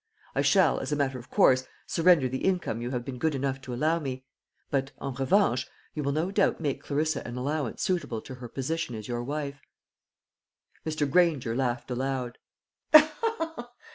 I shall, as a matter of course, surrender the income you have been good enough to allow me; but, en revanche, you will no doubt make Clarissa an allowance suitable to her position as your wife." Mr. Granger laughed aloud.